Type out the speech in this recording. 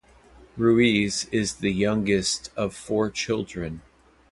Ruiz is the youngest of four children.